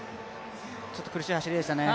ちょっと苦しい走りでしたね。